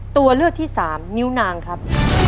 ตัวเลือกที่สามนิ้วนางครับ